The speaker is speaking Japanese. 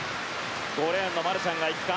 ５レーンのマルシャンがいった。